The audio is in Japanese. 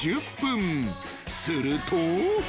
［すると］